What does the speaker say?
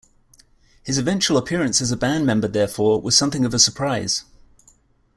His eventual appearance as a band member, therefore, was something of a surprise.